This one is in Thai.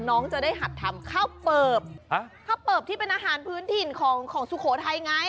น้องจะได้หัดทำข้าวเปิบข้าวเปิบที่เป็นอาหารพื้นถิ่นของของสุโขทัยไง